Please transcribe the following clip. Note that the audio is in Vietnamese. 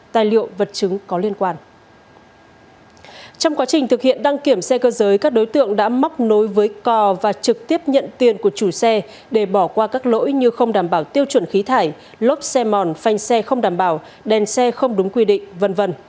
trên cơ giới các đối tượng đã móc nối với cò và trực tiếp nhận tiền của chủ xe để bỏ qua các lỗi như không đảm bảo tiêu chuẩn khí thải lốt xe mòn phanh xe không đảm bảo đèn xe không đúng quy định v v